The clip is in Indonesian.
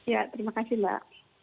ya terima kasih mbak